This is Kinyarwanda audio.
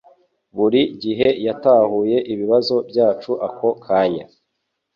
Buri gihe yatahuye ibibazo byacu ako kanya.